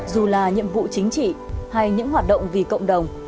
dù là nhiệm vụ chính trị hay những hoạt động vì cộng đồng